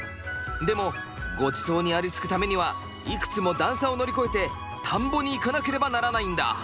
でもごちそうにありつくためにはいくつも段差を乗り越えて田んぼに行かなければならないんだ。